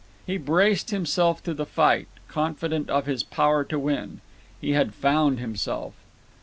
He braced himself to the fight, confident of his power to win. He had found himself.